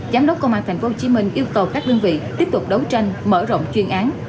giám đốc công an tp hcm yêu cầu các đơn vị tiếp tục đấu tranh mở rộng chuyên án